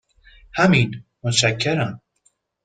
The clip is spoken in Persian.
همین، متشکرم.